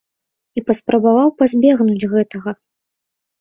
І паспрабаваў пазбегнуць гэтага.